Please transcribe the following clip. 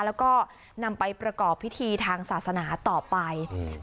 แล้วก็นำไปประกอบพิธีทางศาสนาต่อไปอืม